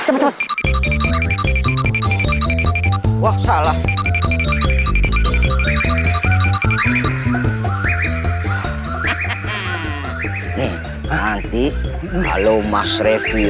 beneran banget ada mas revy